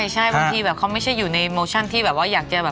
ใช่บางทีแบบเขาไม่ใช่อยู่ในโมชั่นที่แบบว่าอยากจะแบบ